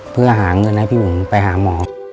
เพื่อหาเงินให้พี่บุ๋มไปหาหมอ